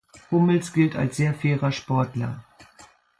Hummels gilt als sehr fairer Sportler.